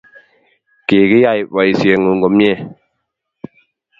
Kigiyay boisiengung komnyei